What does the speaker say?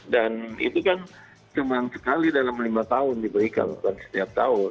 itu kan cuma sekali dalam lima tahun diberikan bukan setiap tahun